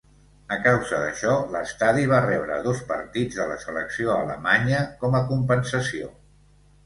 A causa d'això, l'estadi va rebre dos partits de la selecció alemanya com a compensació.